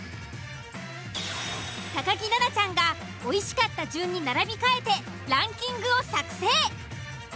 木菜那ちゃんがおいしかった順に並び替えてランキングを作成。